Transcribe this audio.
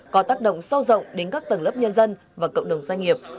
có tác động sâu rộng đến các tầng lớp nhân dân và cộng đồng doanh nghiệp